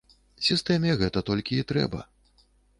Сістэме гэта толькі і трэба.